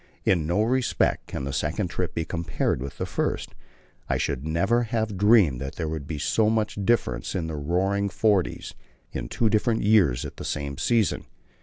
In no respect can the second trip be compared with the first; I should never have dreamed that there could be so much difference in the "Roaring Forties" in two different years at the same season.